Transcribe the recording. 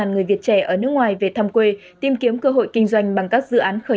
người việt trẻ ở nước ngoài về thăm quê tìm kiếm cơ hội kinh doanh bằng các dự án khởi